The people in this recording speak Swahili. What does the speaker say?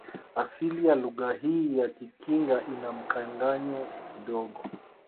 Asili ya lugha hii ya kikinga ina mkanganyo kidogo